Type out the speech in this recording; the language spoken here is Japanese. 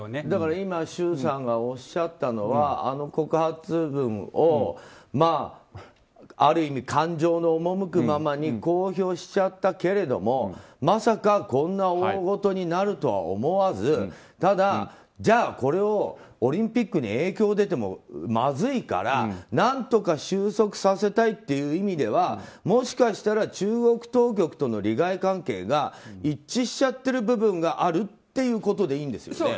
今、周さんがおっしゃったのはあの告発文をある意味、感情の赴くままに公表しちゃったけれどもまさかこんな大事になるとは思わずじゃあ、これをオリンピックに影響が出てもまずいから、何とか収束させたいという意味ではもしかしたら中国当局との利害関係が一致しちゃってる部分があるっていうことでいいんですよね。